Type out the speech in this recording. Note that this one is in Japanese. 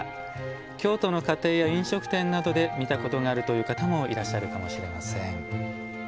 京都の家庭や飲食店などで見たことがあるという方もいらっしゃるかもしれません。